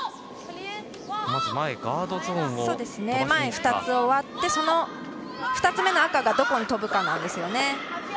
前２つ割って、２つ目の赤がどこに飛ぶかなんですね。